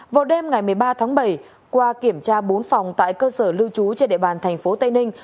vào đêm ngày một mươi ba tháng bảy qua kiểm tra bốn phòng tại cơ sở lưu trú trên địa bàn tp tây ninh